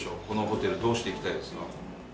このホテルどうしていきたいですか？